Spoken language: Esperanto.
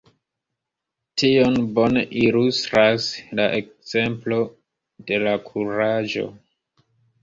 Tion bone ilustras la ekzemplo de la kuraĝo.